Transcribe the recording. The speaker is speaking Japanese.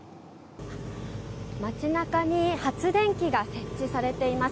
町中に発電機が設置されています。